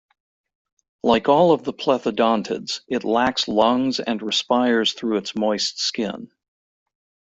Like all of the plethodontids, it lacks lungs and respires through its moist skin.